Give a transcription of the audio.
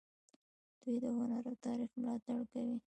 دوی د هنر او تاریخ ملاتړ کوي.